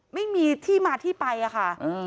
ไม่มีที่มาที่ไปอะค่ะ